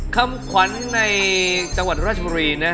คำขวัญในจังหวัดราชบุรีนะ